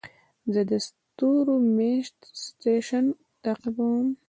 زه د ستورمېشت سټېشن تعقیبوم.